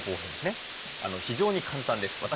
非常に簡単です。